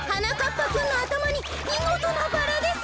ぱくんのあたまにみごとなバラです。